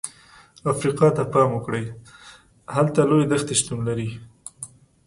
افریقا ته پام وکړئ، هلته لویې دښتې شتون لري.